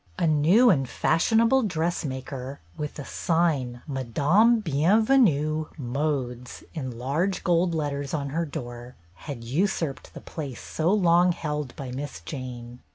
A new and fashionable dressmaker, with the sign "Ma dame Bienvenu, Modes" in large gold letters on her door, had usurped the place so long held by Miss Jane.